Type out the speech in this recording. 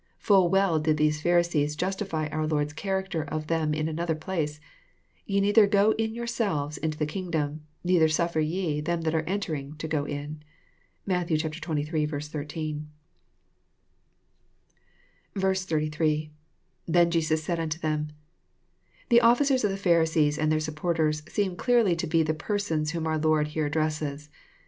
Full well did these Pharisees justify our Lord's character of them In another place :'< Ye neither go in yourselves into the kingdom : neither suffer ye them that are entering to go in." (Matt, xxili. 13.) 83. — {^Then said Jesus unto ^em. ] The officers of the Pharisees and their supporters seemclearly to be the persons whom our Lord here addresses.